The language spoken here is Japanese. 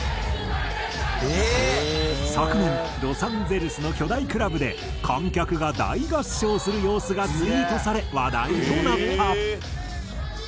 昨年ロサンゼルスの巨大クラブで観客が大合唱する様子がツイートされ話題となった。